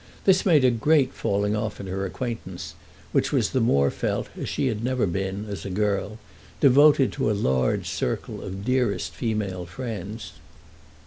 This made a great falling off in her acquaintance, which was the more felt as she had never been, as a girl, devoted to a large circle of dearest female friends.